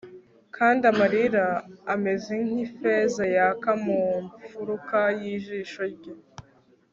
Kandi amarira ameze nkifeza yaka mu mfuruka yijisho rye